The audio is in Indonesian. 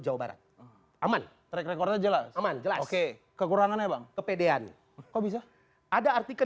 jawa barat aman track recordnya jelas aman jelas oke kekurangannya bang kepedean kok bisa ada artikan